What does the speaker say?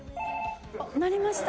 ☎鳴りました。